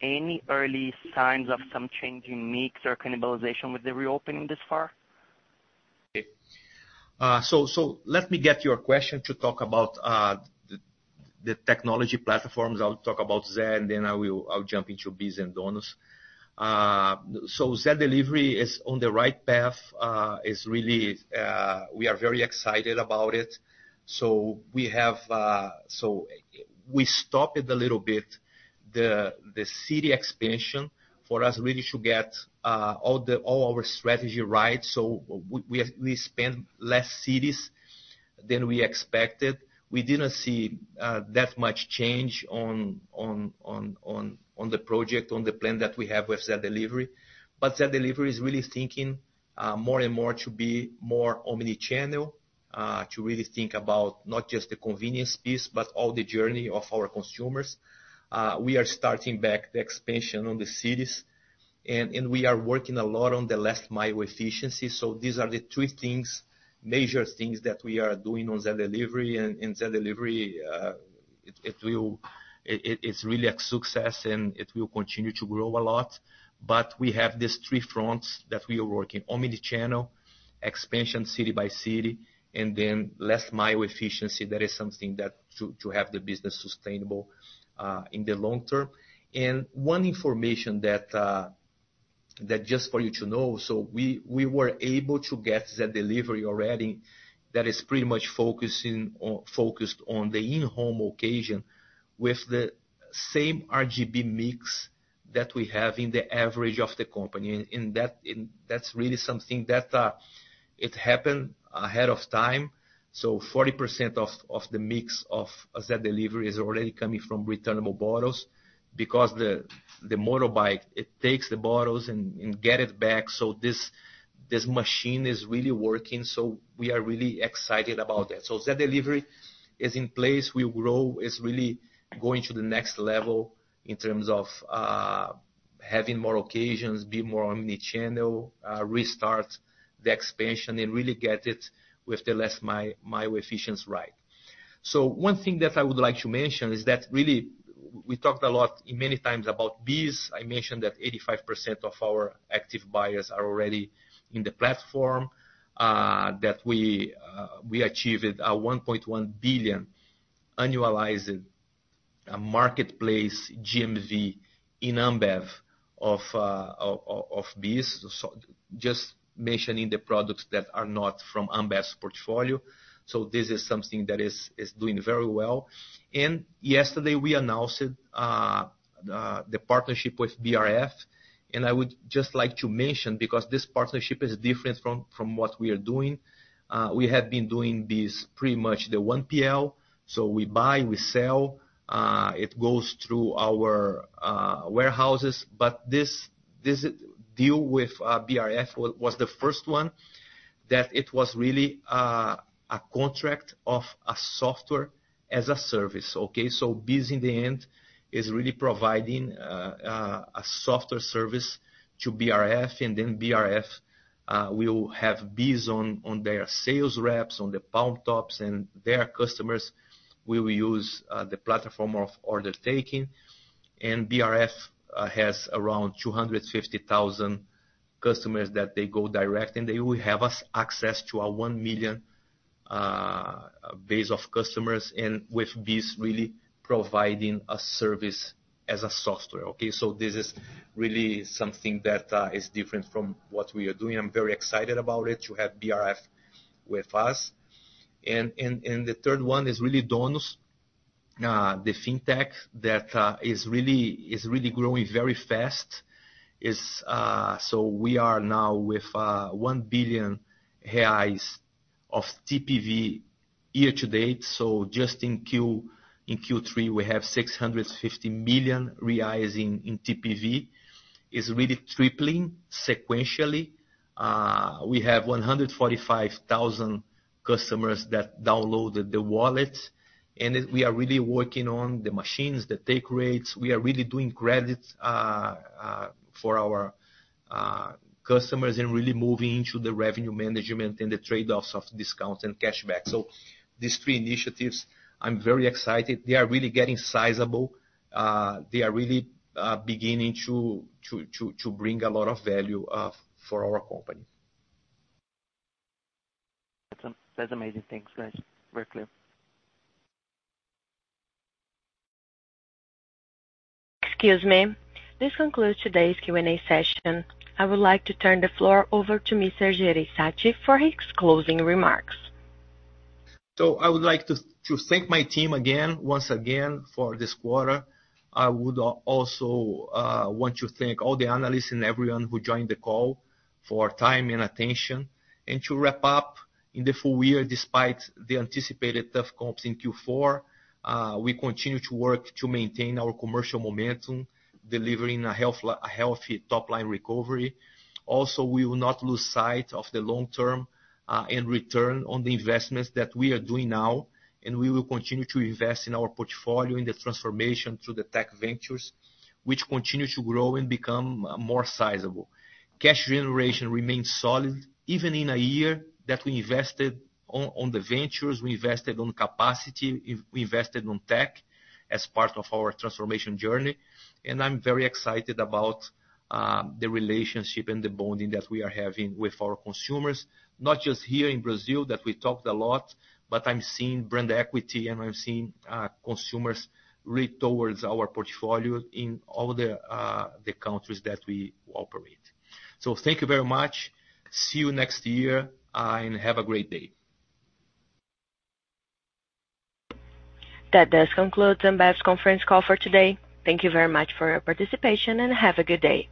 Any early signs of some change in mix or cannibalization with the reopening thus far? Let me get to your question to talk about the technology platforms. I'll talk about Zé, and then I'll jump into BEES and Donus. Zé Delivery is on the right path. We are very excited about it. We stopped it a little bit, the city expansion, for us really to get all our strategy right. We expand less cities than we expected. We didn't see that much change on the project, on the plan that we have with Zé Delivery. Zé Delivery is really thinking more and more to be more omni-channel, to really think about not just the convenience piece, but all the journey of our consumers. We are starting back the expansion on the cities and we are working a lot on the last mile efficiency. These are the three things, major things that we are doing on Zé Delivery. Zé Delivery, it's really a success, and it will continue to grow a lot. We have these three fronts that we are working, omni-channel, expansion city by city, and then last mile efficiency. That is something that to have the business sustainable in the long term. One information that just for you to know, we were able to get Zé Delivery already that is pretty much focused on the in-home occasion with the same RGB mix that we have in the average of the company. That... That's really something that it happened ahead of time. 40% of the mix of Zé Delivery is already coming from returnable bottles because the motorbike it takes the bottles and get it back. This machine is really working, so we are really excited about that. Zé Delivery is in place. We grow. It's really going to the next level in terms of having more occasions, be more omni-channel, restart the expansion and really get it with the last-mile efficiency right. One thing that I would like to mention is that really we talked a lot many times about BEES. I mentioned that 85% of our active buyers are already in the platform that we achieved 1.1 billion annualized marketplace GMV in Ambev of BEES. Just mentioning the products that are not from Ambev's portfolio. This is something that is doing very well. Yesterday we announced the partnership with BRF, and I would just like to mention because this partnership is different from what we are doing. We have been doing this pretty much the 1P. We buy, we sell, it goes through our warehouses. This deal with BRF was the first one that it was really a contract of a software as a service. Okay? BEES in the end is really providing a software service to BRF, and then BRF will have BEES on their sales reps, on the palmtops and their customers will use the platform of order taking. BRF has around 250,000 customers that they go direct, and they will have access to our 1 million base of customers, and with BEES really providing a service as a software. Okay? This is really something that is different from what we are doing. I'm very excited about it, to have BRF with us. The third one is really Donus, the fintech that is really growing very fast. We are now with 1 billion reais of TPV year to date. Just in Q3 we have 650 million reais in TPV, is really tripling sequentially. We have 145,000 customers that downloaded the wallet, and we are really working on the machines that take rates. We are really doing credits for our customers and really moving into the revenue management and the trade-offs of discounts and cash back. These three initiatives, I'm very excited. They are really getting sizable. They are really beginning to bring a lot of value for our company. That's amazing. Thanks, guys. Very clear. Excuse me. This concludes today's Q&A session. I would like to turn the floor over to Mr. Jean Jereissati for his closing remarks. I would like to thank my team again, once again for this quarter. I would also want to thank all the analysts and everyone who joined the call for time and attention. To wrap up, in the full year, despite the anticipated tough comps in Q4, we continue to work to maintain our commercial momentum, delivering a healthy top line recovery. We will not lose sight of the long term and return on the investments that we are doing now. Also we will continue to invest in our portfolio, in the transformation through the tech ventures, which continue to grow and become more sizable. Cash generation remains solid, even in a year that we invested on the ventures, we invested on capacity, we invested on tech as part of our transformation journey. I'm very excited about the relationship and the bonding that we are having with our consumers, not just here in Brazil that we talked a lot, but I'm seeing brand equity and I'm seeing consumers ready for our portfolio in all the countries that we operate. Thank you very much. See you next year and have a great day. That does conclude Ambev's conference call for today. Thank you very much for your participation, and have a good day.